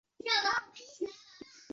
黾学创始人。